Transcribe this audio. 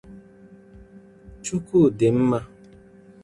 Chukwu dị mma